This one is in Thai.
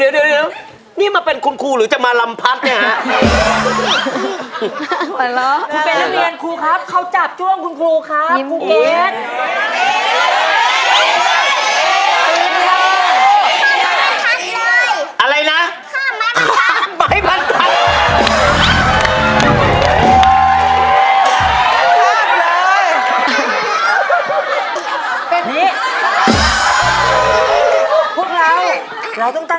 เดี๋ยวนี่มาเป็นคุณครูหรือจะมาลำพัดเนี่ยฮะ